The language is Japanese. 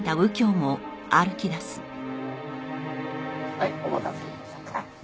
はいお待たせしました。